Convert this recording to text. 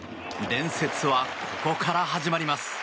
伝説はここから始まります。